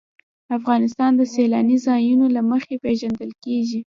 افغانستان د سیلاني ځایونو له مخې هم پېژندل کېږي.